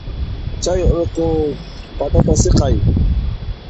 Chay urqu patata siqay.